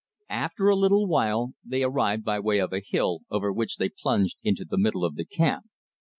After a little while, they arrived by way of a hill, over which they plunged into the middle of the camp.